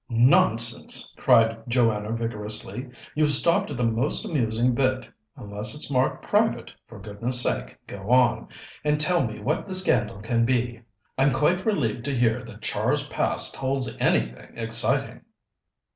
"Nonsense!" cried Joanna vigorously; "you've stopped at the most amusing bit. Unless it's marked private, for goodness' sake go on, and tell me what this scandal can be. I'm quite relieved to hear that Char's past holds anything exciting."